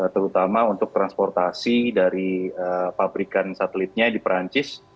terutama untuk transportasi dari pabrikan satelitnya di perancis